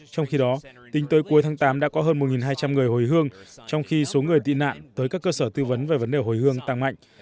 trong khi đó tính tới cuối tháng tám đã có hơn một hai trăm linh người hồi hương trong khi số người tị nạn tới các cơ sở tư vấn về vấn đề hồi hương tăng mạnh